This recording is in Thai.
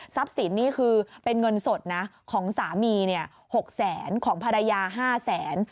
สินนี่คือเป็นเงินสดนะของสามี๖แสนของภรรยา๕แสน